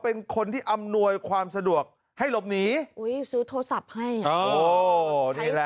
เป็นคนที่อำนวยความสะดวกให้หลบหนีอุ้ยซื้อโทรศัพท์ให้อ่ะ